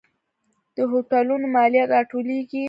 د هوټلونو مالیه راټولیږي؟